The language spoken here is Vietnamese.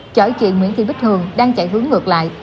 chởi chuyện nguyễn thiên bích hường đang chạy hướng ngược lại